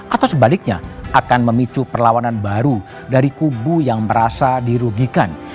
atau sebaliknya akan memicu perlawanan baru dari kubu yang merasa dirugikan